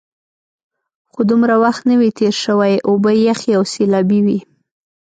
خو دومره وخت نه وي تېر شوی، اوبه یخې او سیلابي وې.